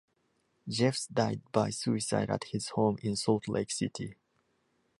Jeffs died by suicide at his home in Salt Lake City.